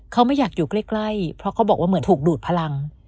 เขาไม่อยากอยู่ใกล้เพราะเขาบอกว่าเหมือนถูกดูดพลัง